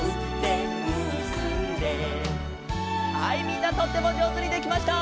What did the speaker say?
みんなとってもじょうずにできました！